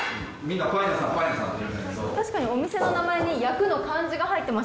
確かにお店の名前に「焼」の漢字が入ってましたもんね。